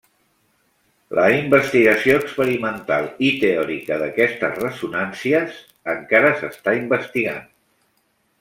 La investigació experimental i teòrica d'aquestes ressonàncies encara s'està investigant.